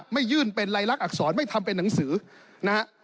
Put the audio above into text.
ไม่ยื่นเป็นลายลักษณอักษรไม่ทำเป็นหนังสือนะฮะ